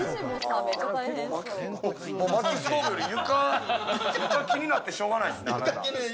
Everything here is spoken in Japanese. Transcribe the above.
薪ストーブより床が気になってしょうがないですね、あなた。